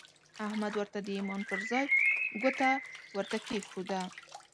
احمد ورته د ايمان پر ځای ګوته ورته کېښوده.